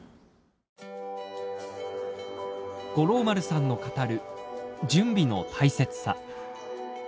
五郎丸さんの語る準備の大切さ。